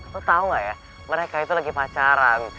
lu tau gak ya mereka itu lagi pacaran